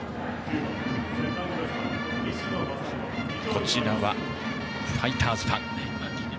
こちらはファイターズファン。